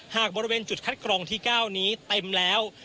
หากบริเวณจุดคัดกรองที่๙นี้เต็มแล้ว